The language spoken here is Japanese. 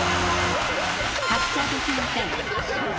発車できません。